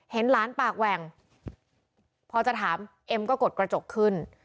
เห็นหลานปากแหว่งพอจะถามเอ็มก็กดกระจกขึ้น